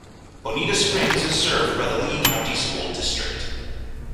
Bonita Springs is served by the Lee County School District.